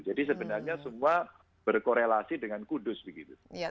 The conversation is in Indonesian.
jadi sebenarnya semua berkorelasi dengan kudus begitu